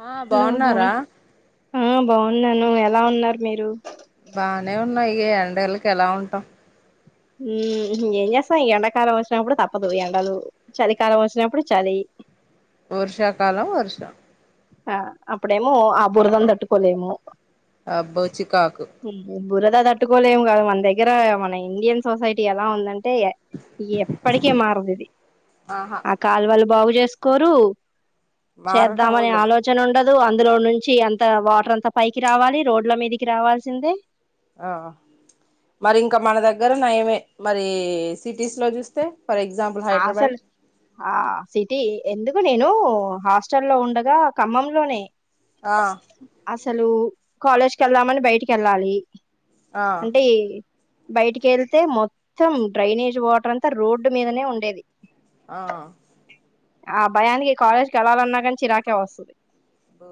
ఆ హలో బాగు బాగున్నారా ఆ బాగున్నాను ఎలా ఉన్నారు మీరు బానే ఉన్నాయి ఇ ఎండేళ్ళకి ఎలా ఉంటాం ఏం చేస్తాం ఈ ఎండాకాలం వచ్చినప్పుడు తప్పదు ఎండలు చలికాలం వచ్చినప్పుడు చలి వర్షాకాలం వర్షం ఆ అప్పుడేమో ఆ బురదను తట్టుకోలేము అబ్బో చికాకు మ్మ్ బురద తట్టుకోలేము కాదు మన దగ్గర మన ఇండియన్ సొసైటీ ఎలా ఉందం టె ఎప్పటికీ మారదు ఇది ఆహా ఆ కాలువాలు బాగు చేసుకోరు మారటం చేద్దామనే ఉండదు ఆలోచన ఉండదు అందులో నుంచి అంత వాటర్ అంత పైకి రావాలి రోడ్ల మీదికి రావాల్సిందే ఆ మరి ఇంకా మన దగ్గర నాయమే మరి సిటీస్ లో చూస్తే ఫర్ ఎగ్జాంపుల్ హైదరాబాద్ ఆసల్ ఆ సిటీ ఎందుకు నేను హాస్టల్ లో ఉండగా ఖమ్మంలోనే ఆ అసలు కాలేజ్ కేళ్దామని బయటికి ఏళ్ళాలి ఆ అంటే బయటికి వెళ్తే మొత్తం డ్రైనేజ్ వాటర్ అంతా రోడ్డు మీదనే ఉండేది ఆ ఆ భయానికి కాలేజ్కి వెళ్ళాలన్నా కానీ చిరాకే వస్తది అబ్బో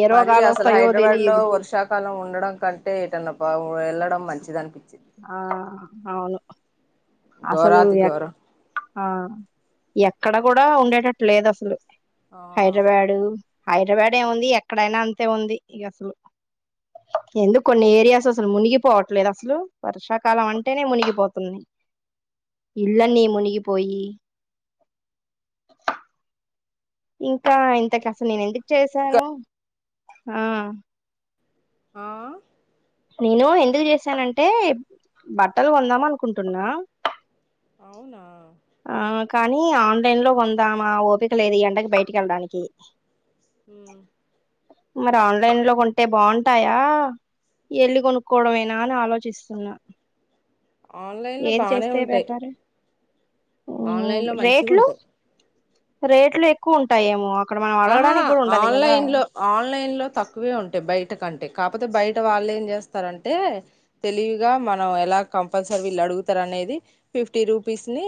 ఏ మరి రోగాలు అసలు వస్తాయో హైదరాబాద్ లో తెలియదు వర్షాకాలం ఉండడం కంటే ఏటన్న బావు వెళ్ళడం మంచి ఆ అవును అసలు గోరతిగోరం ఆ ఎక్కడ కూడా ఉండేటట్టు లేదు అసలు ఆ హైడ్రాబాడు హైడ్రాబాడు ఏముంది ఎక్కడైనా అంతే ఉంది ఇగ అసలు ఎందుకు కొన్ని ఏరియాస్ అసలు మునిగిపోవట్లేదు అసలు వర్షాకాలం అంటేనే మునిగిపోతున్నాయి ఇళ్లన్నీ మునిగిపోయి ఇంకా ఇంతకి అసలు నేను ఎందుకు ఇంకా చేసాను ఆ ఆ నేను ఎందుకు చేసానంటే బట్టలు కొందాం అనుకుంటున్నా అవునా ఆ కానీ ఆన్లైన్ లో కొందామా ఓపిక లేదు ఈ ఎండకి బయటికి కేళ్ళడానికి ఉమ్ మరి ఆన్లైన్ లో కొంటే బాగుంటాయా ఎల్లి కొనుక్కోవడమేనా అని ఆలోచిస్తున్నా ఆన్లైన్ లో ఏది బానే చేస్తే ఉంటాయి పెట్టారు ఆన్లైన్ లో మంచిగా రేట్లు ఉంటాయి రేట్లు ఎక్కువ ఉంటాయేమో అక్కడ మనం ఆహా అడగడానికి కూడా ఉండదు కదా ఆన్లైన్ లో ఆన్లైన్ లో తక్కువే ఉంటాయి బయట కంటే కాపోతే బయట వాళ్ళు ఏం చేస్తారంటే తెలివిగా మనం ఎలా కంపల్సరీ వీళ్ళు అడుగుతారనే ఎది ఫిఫ్టీ రూపీస్ ని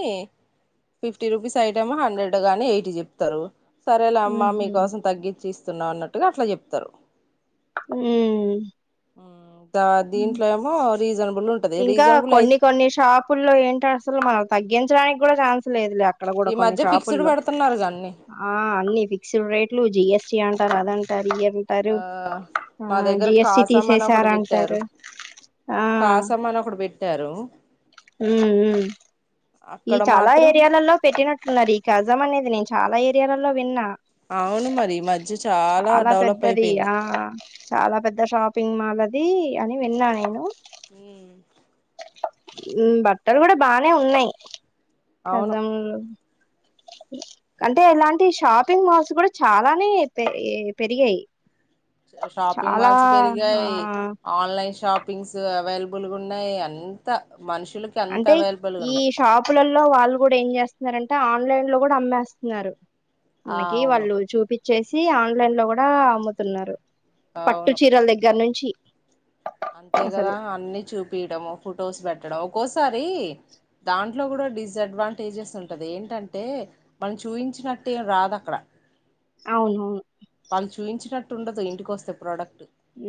ఫిఫ్టీ రూపీస్ ఐటమ్ హండ్రెడ్ గాని ఐటి చెప్తారు సరే అమ్మ మీకోసం తగ్గిచ్చి ఇస్తున్నా అన్నట్టుగా అట్లా చెప్తారు ఉమ్మ్ ఆ దీంట్లో ఏమో రీజన్ ఇంకా కొన్ని కొన్ని షాపుల్లో ఏంటి అసలు మనం తగ్గించడానికి కూడా ఛాన్స్ లేదు లేక అక్కడ కూడా ఈ కొన్ని మధ్య ఫిక్స్డ్ షాపుల్లో పెడుతున్నారు కన్ని అన్ని ఫిక్స్డ్ రేట్లు జిఎస్టీ అ అదంటారు ఇ అంటారు ఆ మా ఆ దగ్గర జిఎస్టి తీసేసార అంటారు కాసమని ఒకడు పెట్టారు ఉమ్మ్ ఈ అక్కడ చాలా మాత్రం ఏరియాలల్లో పెట్టినట్టున్నారు ఈ గజం అనేది నేను చాలా ఏరియాలలో విన్నా అవును మరి ఈ మధ్య చాలా డెవలప్ పెద్దది అయిపోయింది ఆ చాలా పెద్ద షాపింగ్ మాల్ అది ఇది అని విన్నా నేను ఉమ్ ఉమ్ బట్టలు కూడా బానే ఉన్నాయి అవును ఖజాము అంటే ఇలాంటి షాపింగ్ మాల్స్ కూడా చాలానే పెరిగాయి షాపింగ్ చాలా మాల్స్ పెరిగాయి ఆ ఆన్లైన్ షాప్ పింగ్స్ అవైలబుల్ గా ఉన్నాయి అంత మనుషులకి అంత అంటే అవైలబుల్ గా ఈ ఉన్నాయి షాపులలో వాళ్ళు కూడా ఏ చేంటే ఆన్లైన్ లో కూడా అమ్మేస్తున్నారు ఆ మన అవును వాళ్ళు చూపి చేసి ఆన్లైన్ లో కూడా అమ్ముతున్నారు పట్టు అవును చీరల దగ్గర నుంచి అంతే అసలు కదా అన్ని చూపియడము ఫొటోస్ పెట్టడం ఒక్కోసారి దాంట్లో కూడా డిసడ్వాంటేజెస్ ఉంటది ఏంటంటే మనం చూపించినట్టటు ఏం రాదఅక్కడ అవునవును వాళ్ళు చూయించినట్టు ఉండదు ఇంటికి వస్తే ప్రోడక్ట్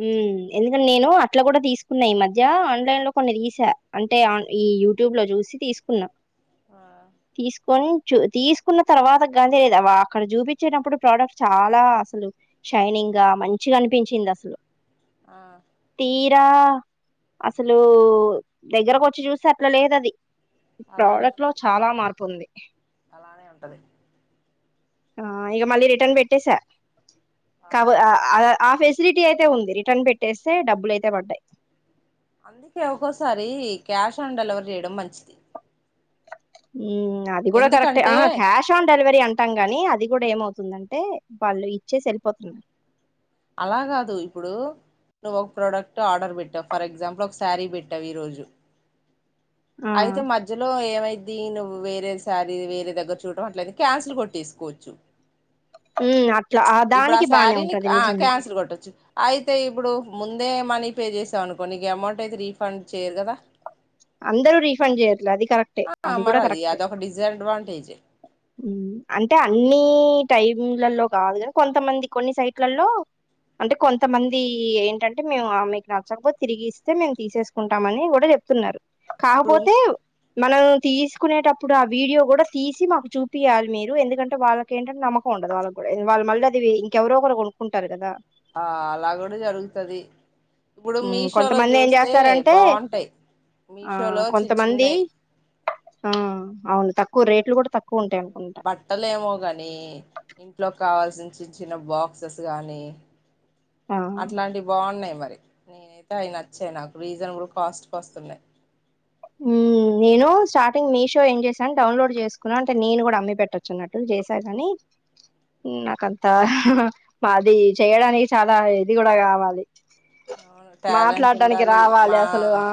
ఉమ్ ఎందుకంటే నేను అట్లా కూడా తీసుకున్నా ఈ మధ్య ఆన్లైన్ లో కొన్ని తీసా అంటే ఆన్ ఈ యూట్యూబ్ లో చూసి తీసుకున్నాం ఆ తీసుకొని చ తీసుకున్న తర్వాతగానీ లే అక్కడ చూపించేటప్పుడు ప్రోడక్ట్ చాలా అసలు షైనింగ్ ఇంగా మంచిగా అనిపించింది అసలు ఆ తీరా అసలు దగ్గరకు వచ్చి చూస్తే అట్లా లేదు అది ఈ అలానే ప్రోడక్ట్ లో ఉంటది చాలా మార్పు ఉంది అలానే ఉంటది ఆ ఇగ మళ్ళీ రిటర్న్ పెట్టే సా కాబో ఆ ఆ ఆఫీస్ అయితే ఉంది రిటర్న్ పెట్టేస్తే డబ్బులు అయితే పడ్డాయ్ అందుకే ఒక్కోసారి క్యాష్ ఆన్ డెలివరీ చేయడం మంచిది అది కూడా కరెక్ట్ ఏ ఎందుకంటే ఆహా క్యాష్ ఆన్ డెలివరి అంటాం కానీ అది కూడా ఏమవుతుందంటే వాళ్ళు ఇచ్చేసి వెళ్ళిపోతున్ అలా కాదు ఇప్పుడు నువ్వు ఒక ప్రోడక్ట్ ఆర్డర్ పెట్టావు ఫర్ ఎగ్జాంపుల్ ఒక శారీ పెట్టావు ఈరోజు ఆ అయితే మధ్యలో ఏమై దీను వేరే సారీ వేరే దగ్గర చూడటడం అట్ల క్యాన్సిల్ కొట్టేసుకోవచ్చు అట్లా ఇప్పుడు ఆ దానికి బానే శారీని ఉంటది ఆ నిజమే క్యాన్సిల్ కొట్టొచ్చు అయితే ఇప్పుడు ముందే మనీ పే చేసాం అనుకోండి నీకు అమౌంట్ అయితే రీఫండ్ చేయరు కదా అందరూ రీఫండ్ చేయట్ల అది కరెక్టే ఆ అది కూడా మరది కరెక్టే అదొక డిసడ్వాంటేజ్ అంటే అన్నిీ టైంలలో కాదు కాని కొంతమంది కొన్ని సైట్లలో అంటే కొంతమంది ఏంటంటే మేము ఆమెకు నచ్చకపోతే తిరిగి ఇస్తే మేము తీసేసుకుంటామని కూడా చెప్తున్నారు ఇప్పుడు కాకపోతే మనం తీసుకునేటప్పుడు ఆ వీడియో కూడా తీసి మాకు చూపియాలి మీరు ఎందుకంటే వాళ్ళక ఏంటంటే నమ్మకం ఉండదు వాళ్ళ కూడా వాళ్ళ మళ్ళీ అది ఇంకెవరో ఒకరు కొనుక్కుంటారు కదా ఆ అలా కూడా జరుగుతది ఇప్పుడు ఉమ్, మీషోలో కొంతమంది ఏం చూస్తే చేస్తారంటే బాగుంటాయి ఆ మీషోలో చిన్ కొంతమంది చెన్నయ్ ఆ అవును తక్కువ రేట్లు కూడా తక్కువ ఉంటాయి అనుకుంటా బట్టలే ఏమో కాని ఇంట్లో కావాల్సిన్ చిన్న చిన్న బాక్సెస్ గానీ ఆ అట్లాంటివి బాగున్నాయ్ మరి నేనైతే అయ్ నచ్చయి నాకు రీజనబుల్ కాస్ట్ కొస్తున్నయి ఉమ్ నేను స్టార్టింగ్ మీషో ఏం చేసాన్ డౌన్లోడ్ జేసుకున్నా అంటే నేను గుడా అమ్మి పెట్టొచ్చన్నట్టు చేసా గనీ ఉమ్ నాకంతా అది చేయడానికి చాలా ఇది గూడ గావాలి అవును టాలెంట్ మాట్లాడ్డానికి ఉండాలి రావాలి మా అసలు ఆ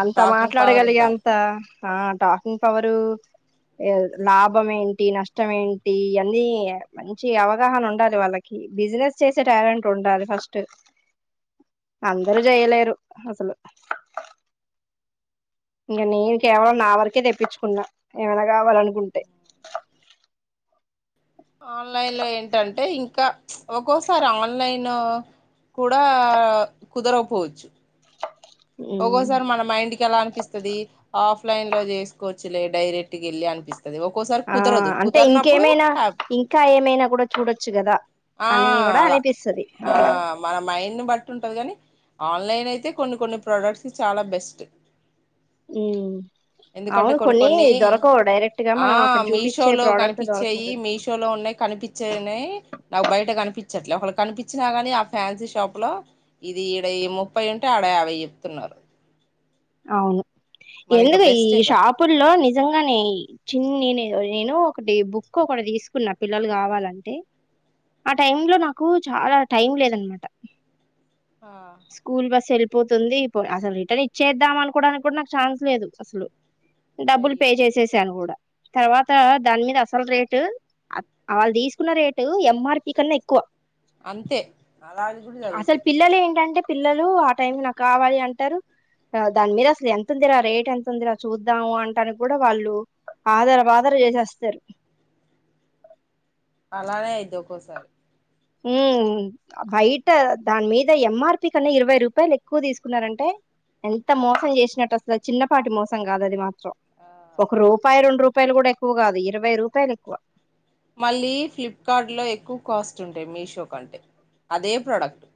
అంత టాకింగ్ పవర్ మాట్లాడగలిగే ఉండాలి అంత ఆ టాకింగ్ పవరు ఇగ లాభం ఏంటి నష్టం ఏంటి అన్నీ మంచి అవగాహనుండాలి వాళ్ళకి ఇ బిసినెస్ చేసే టాలెంట్ ఉండాలి ఫస్ట్ అ అందరూ జేయలేరు అసలు ఇగ నీ కేవలం నా వరకే తెప్పిచ్చుకున్నా ఏమైనా కావాలనుకుంటే అ ఆన్లైన్ లో ఏంటంటే ఇంకా ఒక్కోసారి ఆన్లైన్ కూడా కుదరకపోవచ్చు ఒకోసారి మన మైండ్కి అలా అనిపిస్తది ఆఫ్లైన్ లో జేసుకో చ్చులే డైరెక్ట్ గెల్లీ అనిపిస్ ఒక్కోసారి ఆ కుదరదు అంటే కుదర్నప్పుడు ఇంకేమైనా హ ఇంకా ఏమైనా కూడా చూడొచ్చు కదా ఆ అని కూడా అలా అనిపిస్తది ఆ మన మైండ్ను బట్టి ఉంటది గని ఆన్లైన్ అయితే కొన్ని కొన్ని ప్రోడక్ట్స్ చాలా బెస్ట్ ఉమ్ ఎందుకంటే అవును కొన్ని కొన్నీ దొరకవు డైరెక్ట్ గా ఆ మనం అక్కడ చూపించే మీషోలో ప్రోడక్ట్ కనిపిచ్చేయి దొరకదు మీషోలో ఉన్నయి కనిపిచ్చేనయ్ నాకు బయట కనిపిచ్చట్లే ఒకలక్ కనిపిచ్చినా గనీ ఆ ఫ్యాన్సీ షాప్లో ఇది ఈడ ఈ ముప్పై ఉంటే ఆడ యాభై చెప్ తున్నారు అవును ఎందుకు ఈ బెస్ట్ ఇంకా షాపుల్లో నిజంగానే చిన్నినే నేను ఒకటీ బుక్ ఒకటి తీసుకున్న పిల్లలు గావాలంటే ఆ టైమ్ లో నాకు చాలా టైం లేదనమాట ఆ స్కూల్ బస్ ఎళ్ళిపోతుంది పొ అసలు రిటర్నే ఇ చేద్దాం అనుకోవడానికి గ్గుడా నాకు ఛాన్స్ లేదు అసలు, డబ్బులు పే అయ్యో చేసేసాను గూడ. తర్వాత దానిమీద అసలు రేటు ఆళ్ళు తీసుకున్న రేటు ఎం ఆర్ పి కన్న ఎక్కువ. అంతే అలాంటివి కూడా అసలు జరుగుతాయి పిల్లలేంటంటే పిల్లలు ఆ టైం నాక్ కావాలి అంటరు ఆ దాని మీద అసలు ఎంతుందిరా రేట్ ఎంతుందిరా చూద్దాము అంటానికి గ్గుడ వాళ్ళు ఆదర బాదర జేసేస్తరు అలానే అయిద్ది ఒక్కోసారి మ్మ్ బయట దాని మీద ఎం ఆర్ పి కన్నా ఇరవై రూపాయలు ఎక్కువ తీసుకున్నారంటే ఎంత మోసం చేసినట్టు అసలు చిన్నపాటి మోసం కాద అది మాత్రం ఆ సో ఒక రూపాయి రెండు రూపాయలు కూడా ఎక్కువ కాదు ఇరవై రూపాయలు ఎక్కువ మళ్ళీ ఫ్లిప్కార్ట్లో ఎక్కువ కాస్ట్ ఉంటాయి మీషో కంటే అదే ప్రాడక్ట్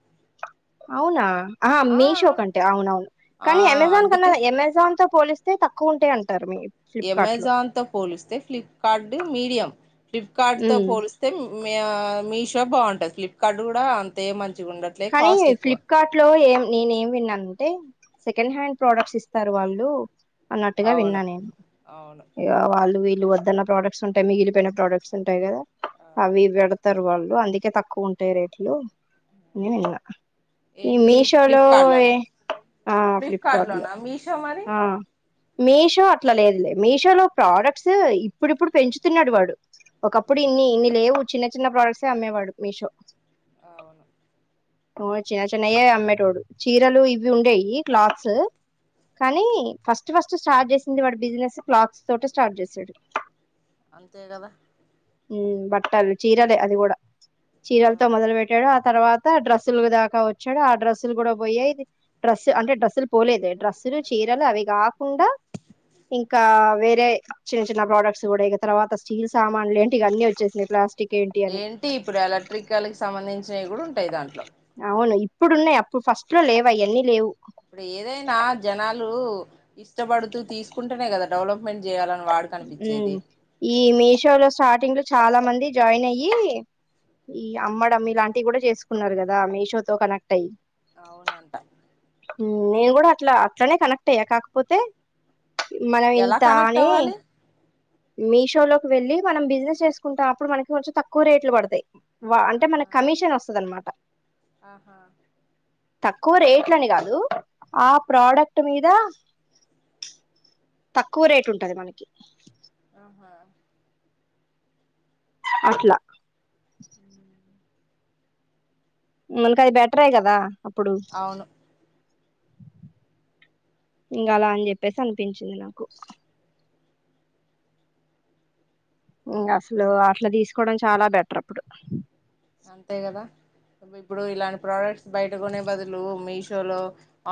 అవునా ఆ మీషో కంటే అవునవును ఆ కానీ అమెజాన్ కన్నా అందుకే ఏమెజాన్ తో పోలిస్తే తక్కువు ఉంటాయండి ఎమెజాన్ తో పోలిస్తే ఫ్లిప్కార్ట్ మీడియం ఫ్లిప్కార్ట్ తో ఉమ్ పోలిస్తే మ్యావ్ మీషో బాంటది ఫ్లిప్కార్ట్ కూడా అంతే మంచి కానీ ఫ్లిప్కార్ట్ లో ఏం నేనేం విన్నానంటే సెకండ్ హ్యాండ్ ప్రోడక్ట్స్ ఇస్తారు వాళ్ళు అన్నట్టుగా విన్నా అవును నేను అవును ఇగ వాళ్ళు వీ వీళ్ళు వద్దన్న ప్రాడక్ట్స్ ఉంటాయి మిగిలిపోయిన ప్రాడక్ట్స్ ఉంటాయి కదా అవి పెడతారు వాళ్ళు అందుకే తక్కువ ఉంటాయి రేట్లు అని విన్న ఈ ఏంటి మీషో లో ఫ్లిప్కార్ట్ అవే లోనా ఆ ఫ్లిప్కార్ట్ లో లోనా మీషో మరి ఆ మీషో అట్లా లేదులే మీషో లో ప్రాడక్ట్స్ ఇప్పుడిప్పుడు పెంచుతున్నాడు వాడు ఒకప్పుడు ఇన్ని ఉమ్, ఇన్ని లేవు చిన్న చిన్న ప్రోడక్ట్స్ అమ్మేవాడు మీషో అవును చిన్న చిన్నయే అమ్మేటోడు చీరలు ఇవి ఉండేవి క్లాత్స్ కానీ ఫస్ట్ ఫస్ట్ స్టార్ట్ చేసింది వాడు బిజినెస్ క్లాక్స్ తోట స్టార్ట్ చేసాడు అంతే కదా మ్మ్ బట్టల్ చీరదే అది కూడా ఆ, చీరలతో మొదలు పెట్టడు ఆ తర్వాత డ్రస్సులు దాకా వచ్చడు ఆ డ్రస్సులు కూడా పోయాయి అంటే డ్రస్సులు పోలేదు డ్రస్సులు, చీరలు అవి కాకుండా ఇంకా వేరే చిన్న చిన్న ప్రోడక్ట్స్ కూడా ఇక తర్వాత స్టీల్ సామాన్లు ఏంటి ఇవన్నీ వచ్చేసాయి ప్లా ఏంటి ఇప్పుడు ఎలక్ట్రికల్ కి సంబంధించినవి కూడా ఉంటాయి దాంట్లో అవును ఇప్పుడు ఉన్నాయి అప్పుడు ఫస్ట్ లో లేవు అవన్నీ లేవు ఇప్పుడు ఏదైనా జనాలు ఇష్టపడుతూ తీసుకుంటేనే కదా డెవలప్మెంట్ చేయాలని వాడు కనిపించేది ఈ మీషో లో స్టార్టింగ్ లో చాలా మంది జాయిన్ అయ్యి ఈ అమ్మడం ఇలాంటివి కూడా చేసుకున్నారు కదా మేషోతో కనెక్ట్ అయ్యి అవునంట నేను కూడా అట్లా అట్లానే కనెక్ట్ అయ్యా కాకపోతే మనం ఎలా ఇంత కనెక్ట్ అని అవ్వాలి మీషో లోకి వెళ్ళి మనం బిజినెస్ చేసుకుంటాం అప్పుడు మనకి కొంచెం తక్కువ రేట్లు పడతాయి వా ఆ అంటే మనకి కమిషన్ వస్తదనమాట ఆహా తక్కువ రేట్లని కాదు ఆ ప్రాడక్ట్ మీద తక్కువ రేట్ ఉంటది మనకి ఆహా అట్లా మనకి అది బెటరే కదా అప్పుడు అవును ఇంకా అలా అని చెప్పేసి అనిపించింది నాకు ఇంగ అసలు అట్లా తీసుకోవడం చాలా బెటర్ అప్పుడు అంతే కదా ఇప్పుడు ఇలాంటి ప్రోడక్ట్స్ బయటకునే బదులు మీషో లో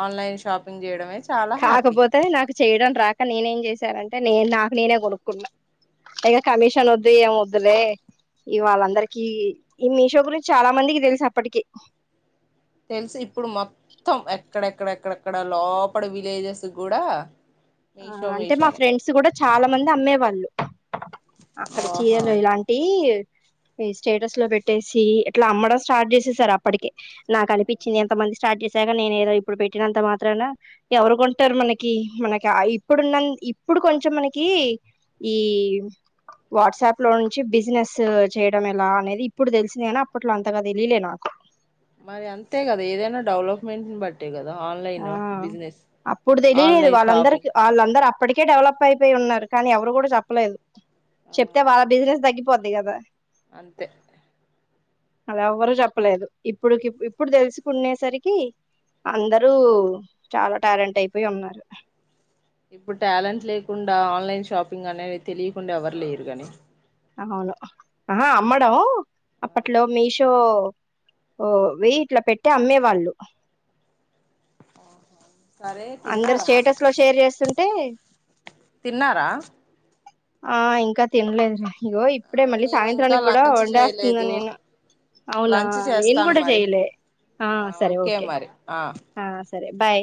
ఆన్లైన్ షాపింగ్ చేయడమే చాలా హ్యాపీ కాకపోతే నాకు చేయడం రాక నేనేం చేశానంటే నే నాకు నేనే కొనుక్కున్నా ఇక కమిషన్ వద్దు ఏం వద్దులే ఇవాళ్ళందరికీ ఈ మీషో గురించి చాలా మందికి తెలుసు అప్పటికి తెలుసు ఇప్పుడు మొత్తం ఎక్కడెక్కడ ఎక్కడెక్కడ లోపల విలేజెస్ కూడా ఆ మీషో అంటే మా మీషోనే ఫ్రెండ్స్ కూడా చాలా మంది అమ్మే వాళ్ళు అక్కడ ఓహో చీరలు ఇలాంటివి ఈ స్టేటస్ లో పెట్టేసి ఇట్లా అమ్మడం స్టార్ట్ చేసేసారప్పటికే నాకనిపిచ్చింది ఎంతమంది స్టార్ట్ చేసాక నేనేదో ఇప్పుడు పెట్టినంత మాత్రాన ఎవరు గొంటారు మనకీ మనక్ త ఇప్పుడున్నన్ ఇప్పుడు కొంచం మనకీ ఈ వాట్సాప్ లో నుంచి బిజినెస్ చేయడం ఎలా అనేది ఇప్పుడు తెలిసింది గని అప్పట్లో అంతగా తెలియలే నాకు మెంట్ని బట్టే గదా ఆన్లైన్ ఆ బిజినెస్, ఆన్లైన్ షాపింగ్ ప్పటికే డెవలప్ అయిపోయి ఉన్నారు కనీ ఎవరు గూడ జెప్పలేదు. ఆ చెప్తే వాళ్ళ బిజినెస్ తగ్గిపోద్ది గదా అంతే అదెవ్వరు జెప్పలేదు ఇప్పుడుకిప్ ఇప్పుడు తెలుసుకున్నేసరికి అందర్ లూ చాలా టాలెంట్ అయిపోయి ఉన్నారు ఇప్పుడు టాలెంట్ లేకుండా ఆన్లైన్ షాపింగ్ అనేది తెలీకుండా ఎవరు లేరు గని ఆహ అమ్మడం అప్పట్లో ఆ, మీషో ఓ వెయిట్ల పెట్టి అమ్మే వాళ్ళు సరే అందరు తిన్నారా స్టేటస్ లో షేర్ జేస్తుంటే తిన్నారా ఆ ఇంకా తినలేదురా ఇగో ఇప్పుడే ఆ మళ్ళీ మేము ఇంకా సాయంత్రానిగ్గుడా లంచ్ వండేస్తున్న చేయలేదు నేను అవునా లంచ్ నేను చేస్తాను కూడా మరి చెయలే సరే ఓకే ఆ సరే బాయ్